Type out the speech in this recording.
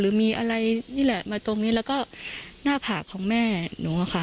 หรือมีอะไรน่ะมาตรงนี้แล้วก็หน้าผากของแม่หนูค่ะ